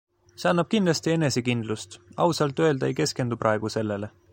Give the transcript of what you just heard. See annab kindlasti enesekindlust, ausalt öelda ei keskendu praegu sellele.